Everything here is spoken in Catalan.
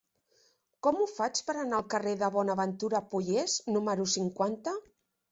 Com ho faig per anar al carrer de Bonaventura Pollés número cinquanta?